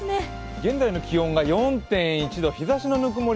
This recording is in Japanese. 現在の気温が４．１度日ざしのぬくもり